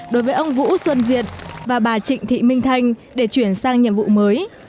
đối với ông vũ xuân diệt và bà trịnh thị minh thanh để chuyển sang nhiệm vụ mới